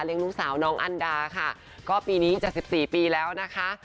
เลี้ยงลูกสาวน้องอันดาค่ะก็ปีนี้จะสิบสี่ปีแล้วนะคะ